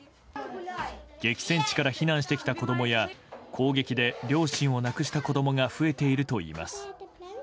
激戦地から避難してきた子供や攻撃で両親を亡くした子供が増えているといいます。